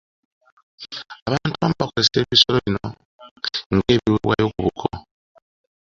Abantu abamu bakozesa ebisolo bino ng'ebiweebwayo ku buko.